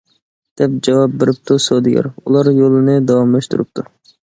دەپ جاۋاب بېرىپتۇ سودىگەر، ئۇلار يولنى داۋاملاشتۇرۇپتۇ.